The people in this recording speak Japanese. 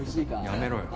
やめろよ。